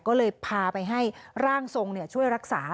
ก็เลยพาไปให้ร่างทรงช่วยรักษา